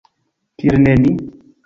Kial ne ni?